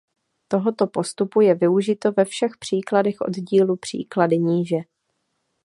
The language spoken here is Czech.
Tohoto postupu je využito ve všech příkladech oddílu Příklady níže.